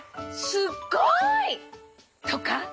すっごい！」とか？